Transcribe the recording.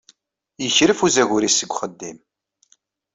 Yekref uzagur-is seg uxeddim.